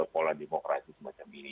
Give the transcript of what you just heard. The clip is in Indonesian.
pola demokrasi semacam ini